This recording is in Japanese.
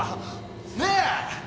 ねえ？